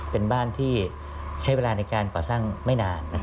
เป็นบ้านที่ใช้เวลาในการก่อสร้างไม่นาน